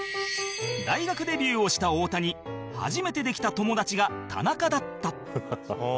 大学デビューをした太田に初めてできた友達が田中だった